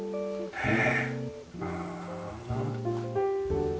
へえ。